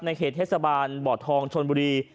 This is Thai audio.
เขตเทศบาลบ่อทองชนบุรี